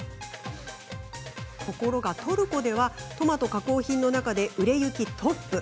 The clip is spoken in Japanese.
ところが、トルコではトマト加工品の中で売れ行きトップ。